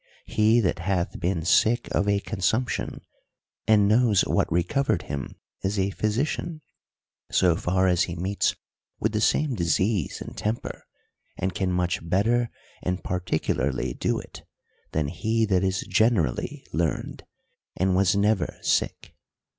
He that hath been sick of a (?bnsumption, and knows what recovered him, is a physician, so far as he meets with the same disease and temper ; and can much better and particulaly do it, than he that is generally learned, and was never sick.